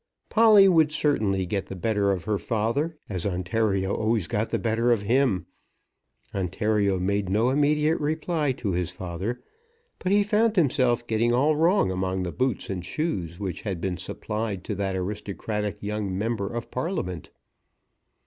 Polly would certainly get the better of her father as Ontario always got the better of him. Ontario made no immediate reply to his father, but he found himself getting all wrong among the boots and shoes which had been supplied to that aristocratic young member of Parliament.